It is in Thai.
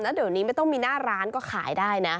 แล้วเดี๋ยวนี้ไม่ต้องมีหน้าร้านก็ขายได้นะ